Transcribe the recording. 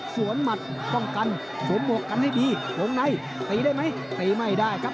สวนมัดเป้าหมบกั้นให้ดีหลวงในทำมันได้ไหมทำไมไม่ได้ครับ